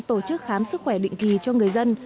tổ chức khám sức khỏe định kỳ cho người dân